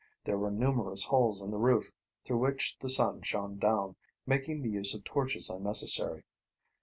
There were numerous holes in the roof, through which the sun shone down, making the use of torches unnecessary.